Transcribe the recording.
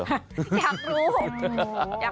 อยากรู้